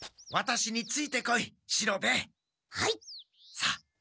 さあ。